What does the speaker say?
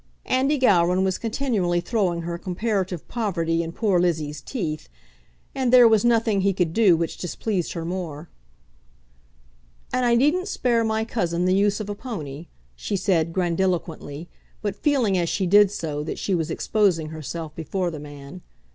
Andy Gowran was continually throwing her comparative poverty in poor Lizzie's teeth, and there was nothing he could do which displeased her more. "And I needn't spare my cousin the use of a pony," she said grandiloquently, but feeling as she did so that she was exposing herself before the man.